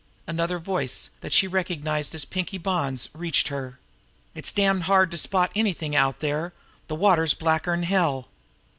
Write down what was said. Another voice, that she recognized as Pinkie Bonn's now, reached her: "It's damned hard to spot anything out there; the water's blacker'n hell."